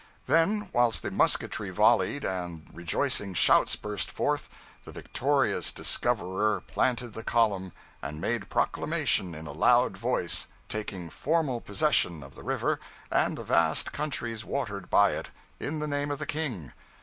Then, whilst the musketry volleyed and rejoicing shouts burst forth, the victorious discoverer planted the column, and made proclamation in a loud voice, taking formal possession of the river and the vast countries watered by it, in the name of the King.